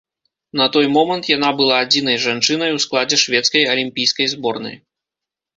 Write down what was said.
На той момант яна была адзінай жанчынай у складзе шведскай алімпійскай зборнай.